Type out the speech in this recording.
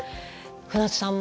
船津さん